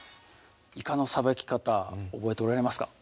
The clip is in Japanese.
いかのさばき方覚えておられますか？